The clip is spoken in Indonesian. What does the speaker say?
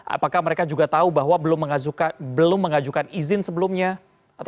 apakah mereka juga tahu bahwa belum mengajukan izin sebelumnya